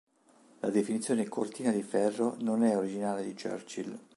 La definizione “Cortina di ferro” non è originale di Churchill.